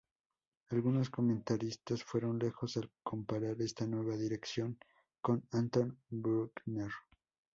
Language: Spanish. Algunos comentaristas fueron lejos al comparar esta nueva dirección con Anton Bruckner.